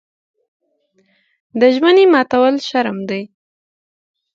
د ژمنې ماتول شرم دی.